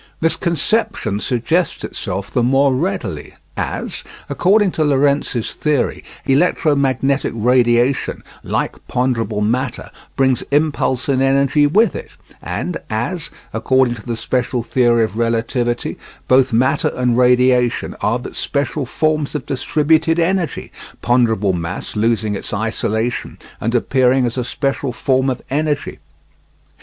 This conception suggests itself the more readily as, according to Lorentz's theory, electromagnetic radiation, like ponderable matter, brings impulse and energy with it, and as, according to the special theory of relativity, both matter and radiation are but special forms of distributed energy, ponderable mass losing its isolation and appearing as a special form of energy.